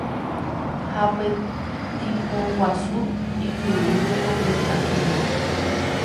ha petỹpoguasu ijurúpe opita timbo